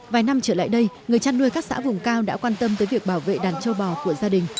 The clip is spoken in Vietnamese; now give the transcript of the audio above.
vài năm trở lại đây người chăn nuôi các xã vùng cao đã quan tâm tới việc bảo vệ đàn trâu bò của gia đình